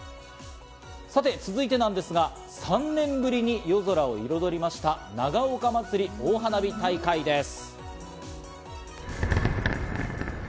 さて、続いて３年ぶりに夜空を彩りました、長岡まつり大花火大会です。